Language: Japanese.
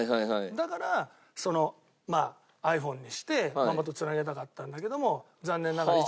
だからそのまあｉＰｈｏｎｅにしてママと繋げたかったんだけども残念ながら。